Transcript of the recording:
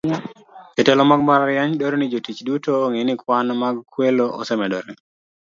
Jotelo mag mbalariany dwaro ni jotich duto ong'e ni kwan mag kwelo osemedore.